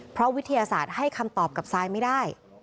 เพราะวิทยาศาสตร์ให้คำตอบกับซายไม่ได้